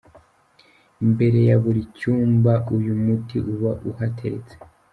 Imbere ya buri cyumba , uyu muti uba uhateretse.